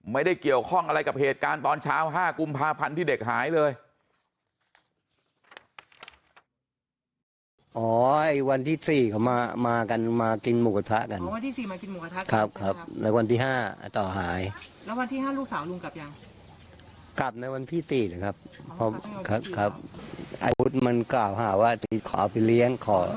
ไม่ได้เกี่ยวข้องอะไรกับเหตุการณ์ตอนเช้า๕กุมภาพันธ์ที่เด็กหายเลย